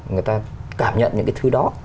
người ta cảm nhận những cái thứ đó